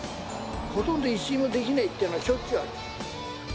ほとんど一睡もできないってのは、しょっちゅうある。